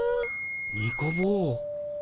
ニコ坊。